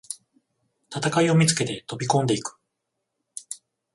戦いを見つけて飛びこんでいく